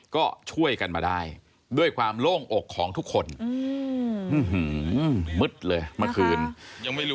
ก็ช่วยกันมาได้ด้วยความโล่งอกของทุกคนอืมอืมมึดเลยเมื่อคืน